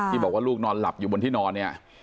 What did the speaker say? บอกว่าลูกนอนหลับอยู่บนที่นอนเนี่ย